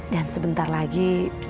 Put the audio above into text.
dan sebentar lagi